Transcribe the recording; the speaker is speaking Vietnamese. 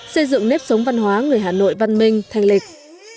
xây dựng nếp sống văn hóa người hà nội văn minh thanh lịch